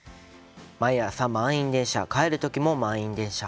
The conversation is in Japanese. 「毎朝満員電車帰るときも満員電車。